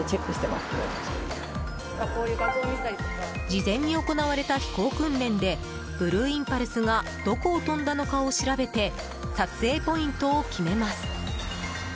事前に行われた飛行訓練でブルーインパルスがどこを飛んだのかを調べて撮影ポイントを決めます。